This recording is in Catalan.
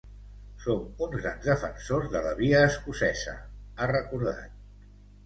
Som uns grans defensors de la via escocesa, ha recordat.